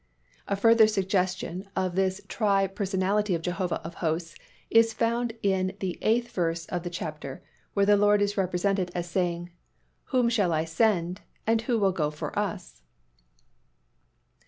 A further suggestion of this tri personality of Jehovah of Hosts is found in the eighth verse of the chapter where the Lord is represented as saying, "Whom shall I send, and who will go for us?"